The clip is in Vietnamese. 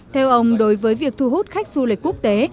theo ông đối với việc thu hút khách du lịch quốc tế